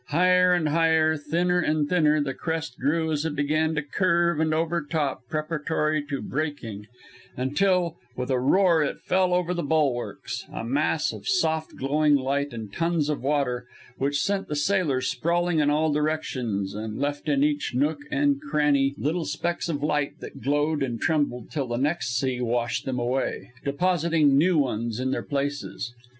Higher and higher, thinner and thinner, the crest grew as it began to curve and overtop preparatory to breaking, until with a roar it fell over the bulwarks, a mass of soft glowing light and tons of water which sent the sailors sprawling in all directions and left in each nook and cranny little specks of light that glowed and trembled till the next sea washed them away, depositing new ones in their places.